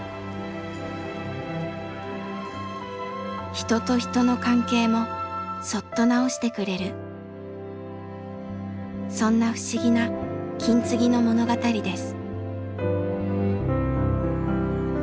人と人の関係もそっと直してくれるそんな不思議な金継ぎの物語です。